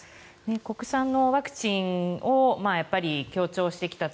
国産のワクチンを強調してきたと。